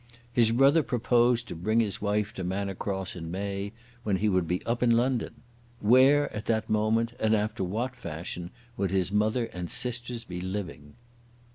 His brother purposed to bring his wife to Manor Cross in May, when he would be up in London. Where at that moment, and after what fashion, would his mother and sisters be living?